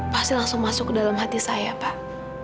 pasti langsung masuk ke dalam hati saya pak